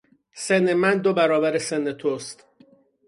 سن من دو برابر سن تو است.